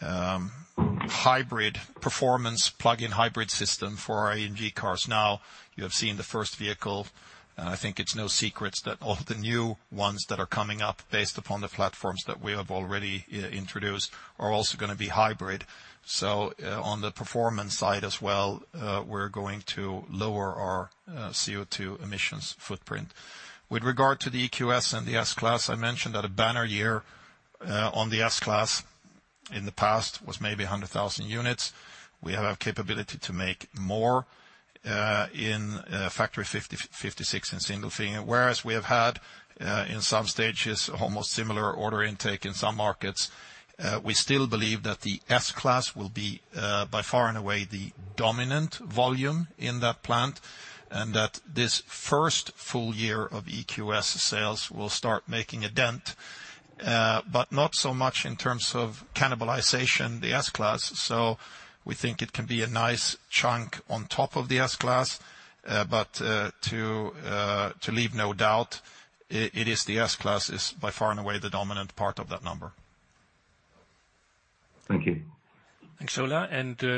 hybrid performance plug-in hybrid system for our AMG cars. Now, you have seen the first vehicle. I think it's no secret that all the new ones that are coming up based upon the platforms that we have already introduced are also gonna be hybrid. On the performance side as well, we're going to lower our CO2 emissions footprint. With regard to the EQS and the S-Class, I mentioned that a banner year on the S-Class in the past was maybe 100,000 units. We have capability to make more in Factory 56 in Sindelfingen. Whereas we have had in some stages almost similar order intake in some markets, we still believe that the S-Class will be by far and away the dominant volume in that plant, and that this first full year of EQS sales will start making a dent, but not so much in terms of cannibalization the S-Class. We think it can be a nice chunk on top of the S-Class. To leave no doubt, the S-Class is by far and away the dominant part of that number. Thank you. Thanks, Ola.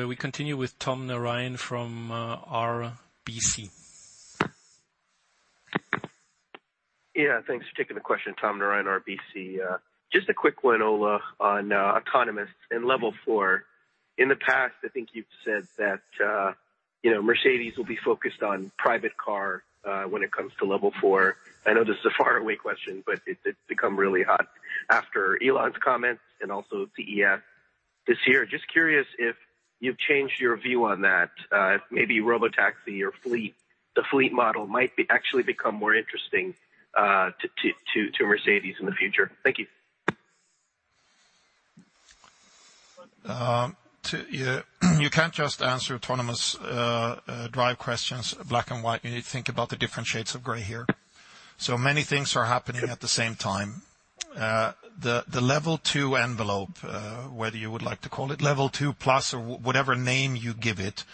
We continue with Tom Narayan from RBC. Yeah, thanks for taking the question. Tom Narayan, RBC. Just a quick one, Ola, on autonomous and level four. In the past, I think you've said that you know, Mercedes will be focused on private car when it comes to level four. I know this is a faraway question, but it's become really hot after Elon's comments and also CES this year. Just curious if you've changed your view on that, maybe robotaxi or fleet, the fleet model might actually become more interesting to Mercedes in the future. Thank you. To you can't just answer autonomous drive questions black and white. You need to think about the different shades of gray here. Many things are happening at the same time. The level two envelope, whether you would like to call it level two plus or whatever name you give it,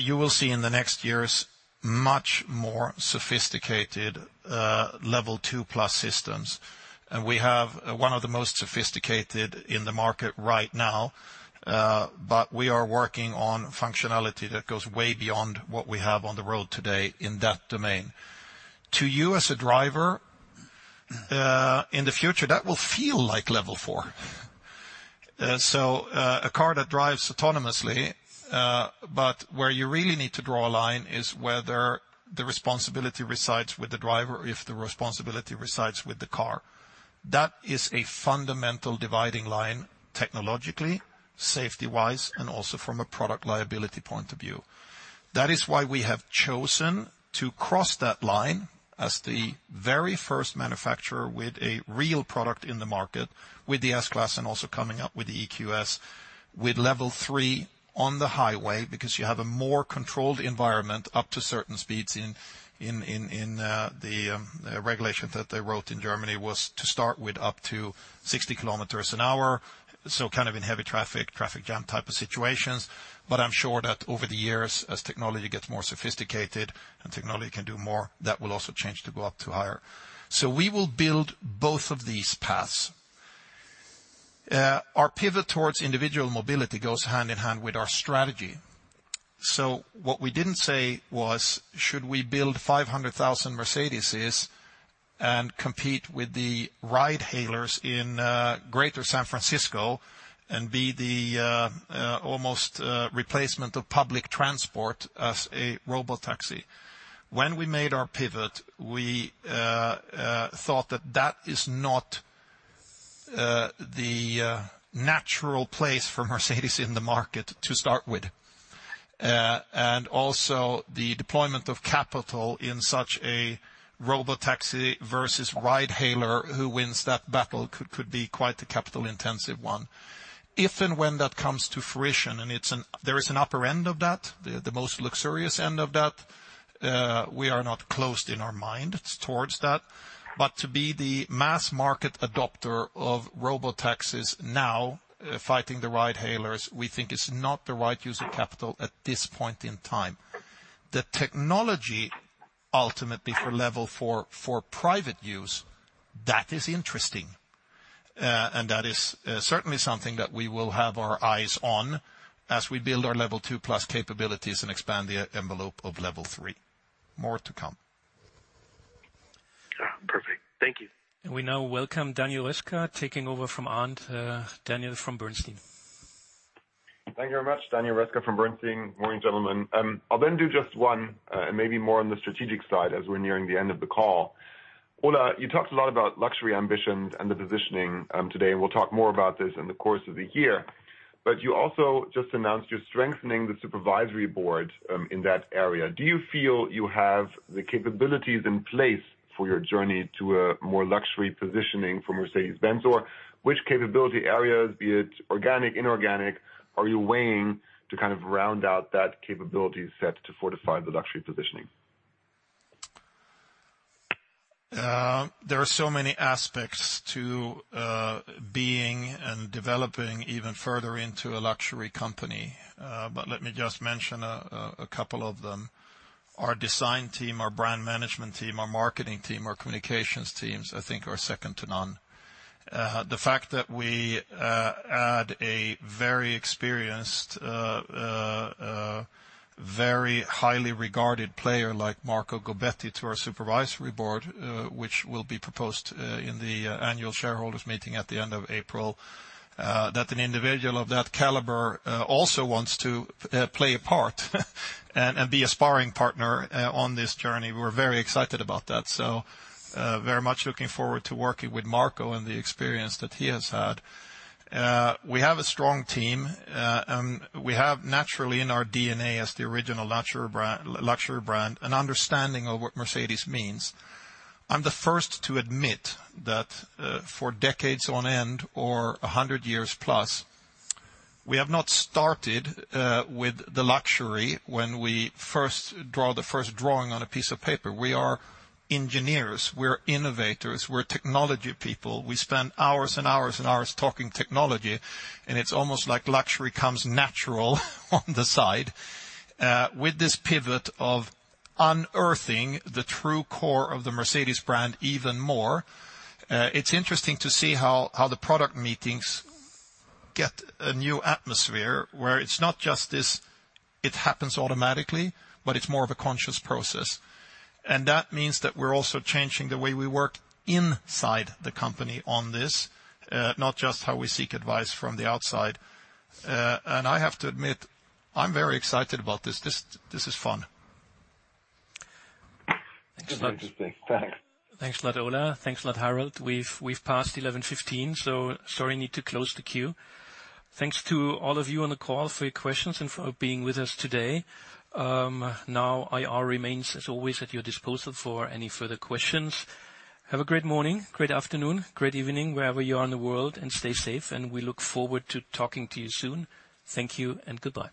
you will see in the next years much more sophisticated level two-plus systems. We have one of the most sophisticated in the market right now, but we are working on functionality that goes way beyond what we have on the road today in that domain. To you as a driver, in the future, that will feel like level four. A car that drives autonomously, but where you really need to draw a line is whether the responsibility resides with the driver or if the responsibility resides with the car. That is a fundamental dividing line technologically, safety-wise, and also from a product liability point of view. That is why we have chosen to cross that line as the very first manufacturer with a real product in the market with the S-Class and also coming up with the EQS, with level three on the highway, because you have a more controlled environment up to certain speeds in the regulation that they wrote in Germany was to start with up to 60 km/h, so kind of in heavy traffic jam type of situations. I'm sure that over the years, as technology gets more sophisticated and technology can do more, that will also change to go up to higher. We will build both of these paths. Our pivot towards individual mobility goes hand in hand with our strategy. What we didn't say was, should we build 500,000 Mercedes-Benzes and compete with the ride-hailers in Greater San Francisco and be the almost replacement of public transport as a robotaxi. When we made our pivot, we thought that that is not the natural place for Mercedes-Benz in the market to start with. Also, the deployment of capital in such a robotaxi versus ride-hailer, who wins that battle could be quite the capital-intensive one. If and when that comes to fruition, and there is an upper end of that, the most luxurious end of that, we are not closed in our mind towards that. To be the mass market adopter of robotaxis now, fighting the ride-hailers, we think is not the right use of capital at this point in time. The technology ultimately for level four for private use, that is interesting. That is certainly something that we will have our eyes on as we build our level two-plus capabilities and expand the envelope of level three. More to come. Perfect. Thank you. We now welcome Daniel Roeska, taking over from Arndt, Daniel from Bernstein. Thank you very much. Daniel Roeska from Bernstein. Morning, gentlemen. I'll then do just one, and maybe more on the strategic side as we're nearing the end of the call. Ola, you talked a lot about luxury ambitions and the positioning, today, and we'll talk more about this in the course of the year. You also just announced you're strengthening the supervisory board, in that area. Do you feel you have the capabilities in place for your journey to a more luxury positioning for Mercedes-Benz? Or which capability areas, be it organic, inorganic, are you weighing to kind of round out that capability set to fortify the luxury positioning? There are so many aspects to being and developing even further into a luxury company. Let me just mention a couple of them. Our design team, our brand management team, our marketing team, our communications teams, I think are second to none. The fact that we add a very experienced, very highly regarded player like Marco Gobbetti to our Supervisory Board, which will be proposed in the annual shareholders meeting at the end of April, that an individual of that caliber also wants to play a part and be a sparring partner on this journey. We're very excited about that. Very much looking forward to working with Marco and the experience that he has had. We have a strong team, and we have naturally in our D&A as the original luxury brand an understanding of what Mercedes means. I'm the first to admit that, for decades on end or a hundred years plus, we have not started with the luxury when we first draw the first drawing on a piece of paper. We are engineers, we're innovators, we're technology people. We spend hours and hours and hours talking technology, and it's almost like luxury comes natural on the side. With this pivot of unearthing the true core of the Mercedes brand even more, it's interesting to see how the product meetings get a new atmosphere where it's not just this, it happens automatically, but it's more of a conscious process. That means that we're also changing the way we work inside the company on this, not just how we seek advice from the outside. I have to admit, I'm very excited about this. This is fun. Interesting. Thanks. Thanks a lot, Ola. Thanks a lot, Harald. We've passed 11:15, so sorry, need to close the queue. Thanks to all of you on the call for your questions and for being with us today. Now IR remains, as always, at your disposal for any further questions. Have a great morning, great afternoon, great evening, wherever you are in the world, and stay safe, and we look forward to talking to you soon. Thank you and goodbye.